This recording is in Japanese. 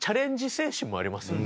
精神もありますよね。